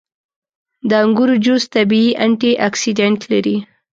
• د انګورو جوس طبیعي انټياکسیدنټ لري.